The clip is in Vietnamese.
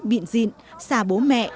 biện diện xa bố mẹ